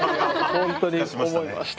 本当に思いました。